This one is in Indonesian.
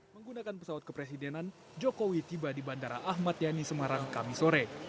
menggunakan pesawat kepresidenan jokowi tiba di bandara ahmad yani semarang kami sore